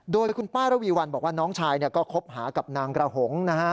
โดยคุณป้าระวีวันบอกว่าน้องชายก็คบหากับนางกระหงนะฮะ